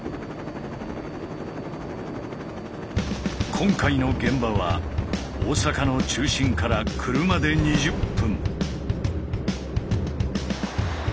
今回の現場は大阪の中心から車で２０分。